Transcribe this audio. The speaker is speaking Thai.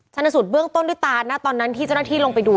ชนสูตรเบื้องต้นด้วยตานะตอนนั้นที่เจ้าหน้าที่ลงไปดู